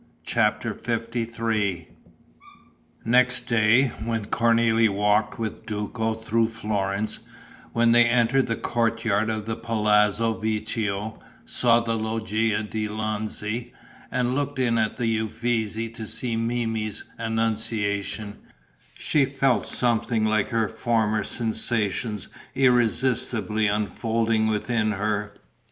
CHAPTER LIII Next day, when Cornélie walked with Duco through Florence, when they entered the courtyard of the Palazzo Vecchio, saw the Loggia dei Lanzi and looked in at the Uffizi to see Memmi's Annunciation, she felt something like her former sensations irresistibly unfolding within her.